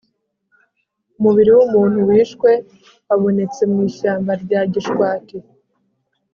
umubiri w’umuntu wishwe wabonetse mu ishyamba rya Gishwati